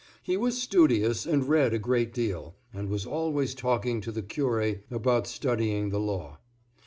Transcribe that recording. He was studious and read a great deal, and was always talking to the curé about studying the law.